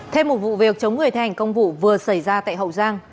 thêm một vụ việc chống người thi hành công vụ vừa xảy ra tại hậu giang